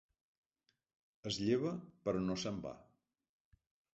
Es lleva, però no se'n va.